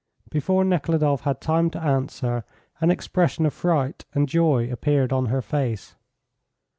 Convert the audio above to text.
Before Nekhludoff had time to answer, an expression of fright and joy appeared on her face.